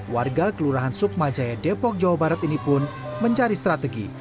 warga kelurahan sukma jaya depok jawa barat ini pun mencari strategi